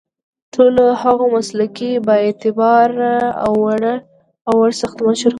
ټولو هغو مسلکي، بااعتباره او وړ ساختماني شرکتونو